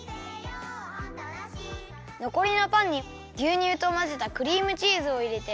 のこりのパンにぎゅうにゅうとまぜたクリームチーズをいれて。